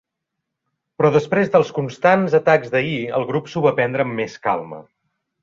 Però després dels constants atacs d'ahir, el grup s'ho va prendre amb més calma.